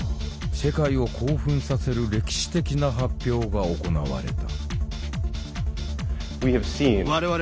世界を興奮させる歴史的な発表が行われた。